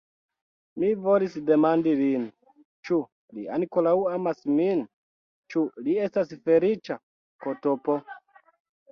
Mi volis demandi lin, ĉu li ankoraŭ amas min; ĉu li estas feliĉa ktp.